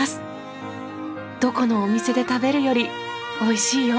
「どこのお店で食べるよりおいしいよ」。